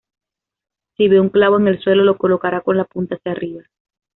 Si ve un clavo en el suelo, lo colocará con la punta hacia arriba.